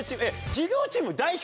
「授業チーム」代表